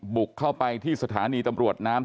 บุกเข้าไปที่สถานีตำรวจน้ำ